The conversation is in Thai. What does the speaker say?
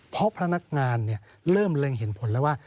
เพราะพนักงานเริ่มเร็งเห็นผลแล้วว่า